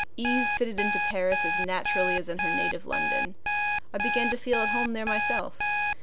Eve fitted into Paris as naturally as in her native London, I began to feel at home there myself.